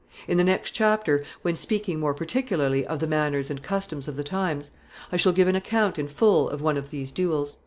In the next chapter, when speaking more particularly of the manners and customs of the times, I shall give an account in full of one of these duels.